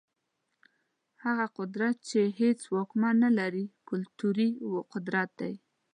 هغه قدرت چي هيڅ واکمن نلري، کلتوري قدرت دی.